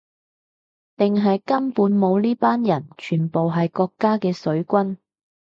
定係根本冇呢班人，全部係國家嘅水軍